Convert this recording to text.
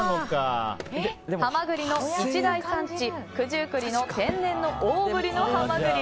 ハマグリの一大産地、九十九里の天然の大ぶりのハマグリ。